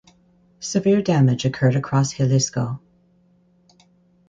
Severe damage occurred across Jalisco.